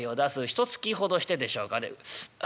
ひとつきほどしてでしょうかね。